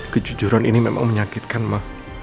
kejujuran ini memang menyakitkan mah